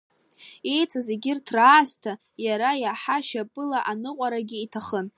Еицыз егьырҭ раасҭа, иара иаҳа шьапыла аныҟәарагьы иҭахын.